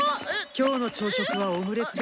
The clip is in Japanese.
今日の朝食はオムレツですよ。